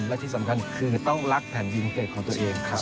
และที่สำคัญคือต้องรักแผ่นยิงเกรดของตัวเองครับ